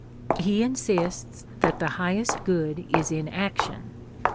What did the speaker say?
Ele insists that the highest good is in action.